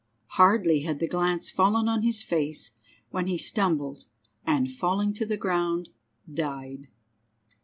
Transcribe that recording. Hardly had the glance fallen on his face when he stumbled and, falling to the ground, died.